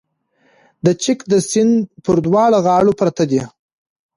د چک د سیند پر دواړو غاړو پرته ده